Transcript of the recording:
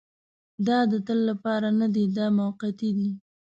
دا د تل لپاره نه دی دا موقتي دی.